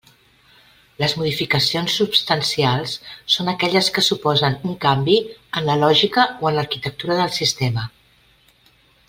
Les modificacions substancials són aquelles que suposen un canvi en la lògica o en l'arquitectura del sistema.